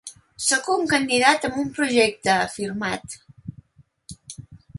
Sóc un candidat amb un projecte, ha afirmat.